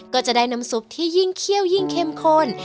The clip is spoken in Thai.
ก็จะได้น้ำซุปที่ยิ่งเคี่ยวยิ่งเข้มข้น